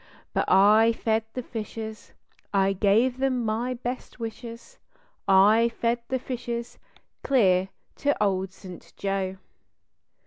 But I fed the fishes, I gave them my best wishes I fed the fishes clear to Old St. Joe.